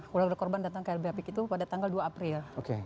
keluarga korban datang ke lbh apik itu pada tanggal dua april dua ribu sembilan belas